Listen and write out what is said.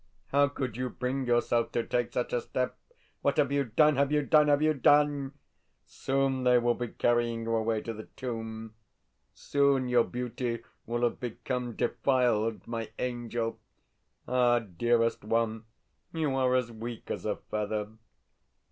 How could you bring yourself to take such a step? What have you done, have you done, have you done? Soon they will be carrying you away to the tomb; soon your beauty will have become defiled, my angel. Ah, dearest one, you are as weak as a feather.